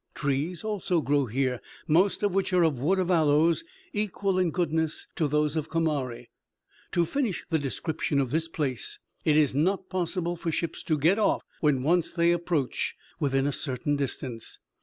Trees also grow here, most of which are of wood of aloes, equal in goodness to those of Comari. To finish the description of this place, it is not possible for ships to get off when once they approach within a certain distance.